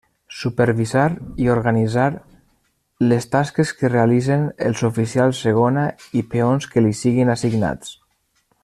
Supervisar i organitzar les tasques que realitzen els oficials segona i peons que li siguin assignats.